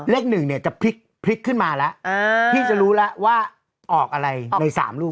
เลขหนึ่งเนี่ยจะพลิกขึ้นมาแล้วพี่จะรู้แล้วว่าออกอะไรใน๓ลูก